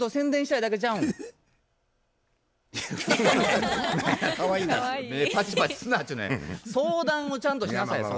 相談をちゃんとしなさい相談を。